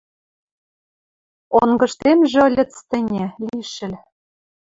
Онгыштемжӹ ыльыц тӹньӹ — лишӹл